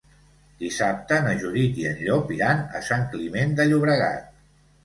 Dissabte na Judit i en Llop iran a Sant Climent de Llobregat.